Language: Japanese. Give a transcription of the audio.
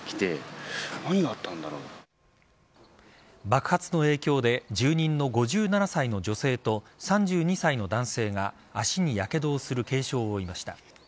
爆発の影響で住人の５７歳の女性と３２歳の男性が足にやけどをする軽傷を負いました。